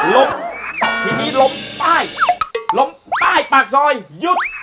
ล้มทีนี้ล้มใต้ล้มใต้ปากซอยหยุด